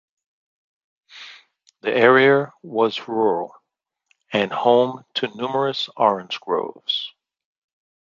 The area was rural and home to numerous orange groves.